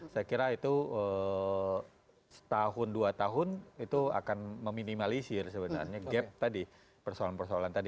saya kira itu setahun dua tahun itu akan meminimalisir sebenarnya gap tadi persoalan persoalan tadi